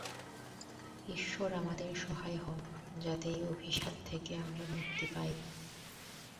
ইশ্বর আমাদের সহায় হোন, যাতে এই অভিশাপ থেকে আমরা মুক্তি পাই।